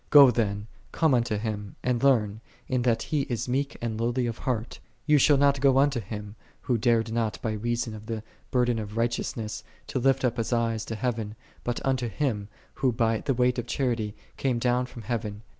3 Go then, come unto Him, and learn, in that He is "meek and lowly of heart." Thou shalt not go unto him, who dared not by reason of the burden of unrighteousness to lift up his eyes to heaven, but unto Him, Who by the weight of charity came down from heaven.